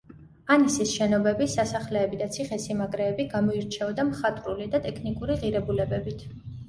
ანისის შენობები, სასახლეები და ციხესიმაგრეები გამოირჩეოდა მხატვრული და ტექნიკური ღირებულებებით.